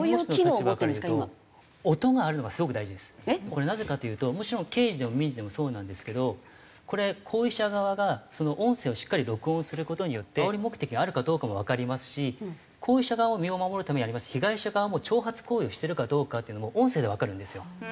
これなぜかというともちろん刑事でも民事でもそうなんですけどこれ行為者側がその音声をしっかり録音する事によってあおり目的があるかどうかもわかりますし行為者側も身を守るためにありますし被害者側も挑発行為をしてるかどうかっていうのも音声でわかるんですよ。